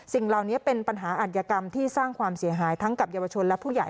สิ่งเหล่านี้เป็นปัญหาอัธยกรรมที่สร้างความเสียหายทั้งกับเยาวชนและผู้ใหญ่